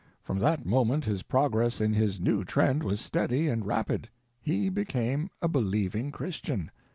From that moment his progress in his new trend was steady and rapid. He became a believing Christian.